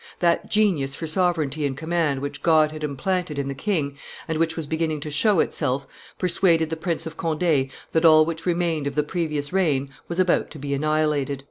That genius for sovereignty and command which God had implanted in the king, and which was beginning to show itself, persuaded the Prince of Conde that all which remained of the previous reign was about to be annihilated."